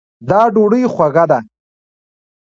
دا ډوډۍ خوږه ده